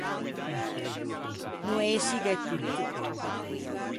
No ësighe tutto.